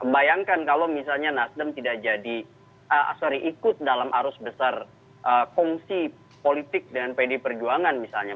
bayangkan kalau misalnya nasdem tidak jadi sorry ikut dalam arus besar kongsi politik dengan pd perjuangan misalnya